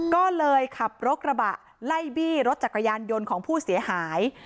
ก็เลยขับรถกระบะไล่บี้รถจักรยานยนต์ของผู้เสียหาย